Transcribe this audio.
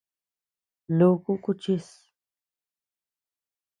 Nuku kuchis.